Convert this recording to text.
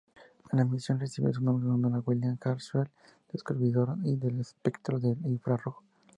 La misión recibió su nombre en honor de William Herschel, descubridor del espectro infrarrojo.